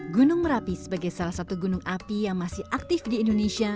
gunung merapi sebagai salah satu gunung api yang masih aktif di indonesia